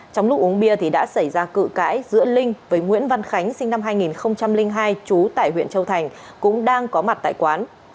trong lúc uống bia thì đã xảy ra cự cãi giữa linh với nguyễn văn khánh sinh năm hai nghìn hai trú tại huyện châu thành cũng đang có mặt tại quán